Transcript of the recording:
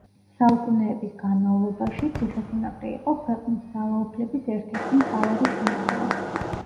საუკუნეების განმავლობაში ციხესიმაგრე იყო ქვეყნის ძალაუფლების ერთ-ერთი მთავარი სიმბოლო.